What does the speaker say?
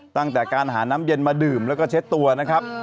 ตั้งแต่การหาน้ำเย็นมาดื่มแล้วก็เช็ดตัวนะครับ